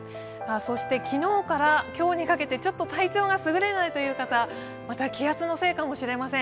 昨日から今日にかけて体調が優れないという方、また気圧のせいかもしれません。